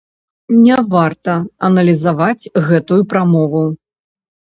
Не варта аналізаваць гэтую прамову.